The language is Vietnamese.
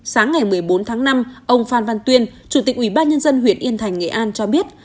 sáng ngày một mươi bốn tháng năm ông phan văn tuyên chủ tịch ủy ban nhân dân huyện yên thành nghệ an cho biết